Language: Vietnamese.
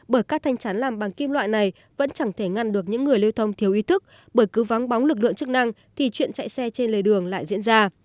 bởi các thanh chắn làm bằng kim loại này vẫn chẳng thể ngăn được những người lưu thông thiếu ý thức bởi cứ vắng bóng lực lượng chức năng thì chuyện chạy xe trên lề đường lại diễn ra